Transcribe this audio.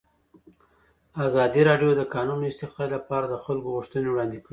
ازادي راډیو د د کانونو استخراج لپاره د خلکو غوښتنې وړاندې کړي.